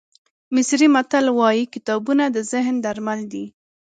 مصري متل وایي کتابتون د ذهن درمل دی.